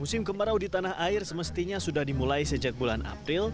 musim kemarau di tanah air semestinya sudah dimulai sejak bulan april